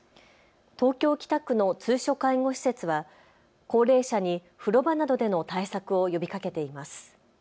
東京北区の通所介護施設は高齢者に風呂場などでの対策を呼びかけています。